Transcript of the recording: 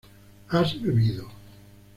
has bebido